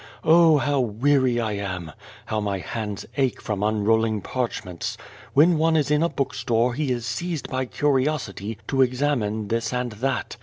Oh, how weary I am! How my hands ache from unrolling parchments. AVhen one is in a book store he is seized by curiosity to ex amine this and that.